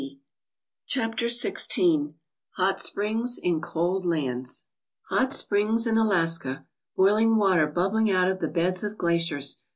* CHAPTER XVI HOT SPRINGS IN COLD LANDS HOT springs in Alaska ! Boiling water bubbling out of the beds of glaciers!